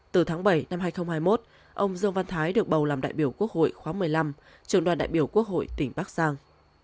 từ tháng bảy năm hai nghìn hai mươi một ông dương văn thái được bầu làm đại biểu quốc hội khóa một mươi năm trường đoàn đại biểu quốc hội tỉnh bắc giang